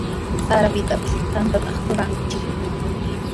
Sarapitapis tantaqa ruranchikmi.